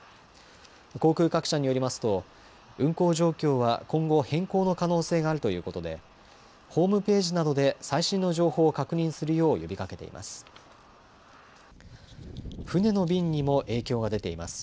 航空各社によりますと運航状況は今後、変更の可能性があるということでホームページなどで最新の情報を確認するよう呼びかけています。